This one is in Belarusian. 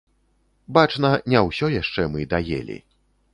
Бачна, не ўсё яшчэ мы даелі.